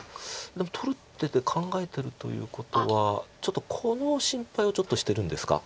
でも取る手で考えてるということはこの心配をちょっとしてるんですか。